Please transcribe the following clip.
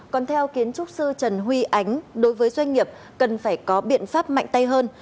còn theo kiến trúc sư trần huy ánh đối với doanh nghiệp cần phải có biện pháp mạnh tay hơn